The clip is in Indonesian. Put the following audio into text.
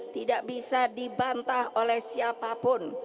tidak bisa dibantah oleh siapapun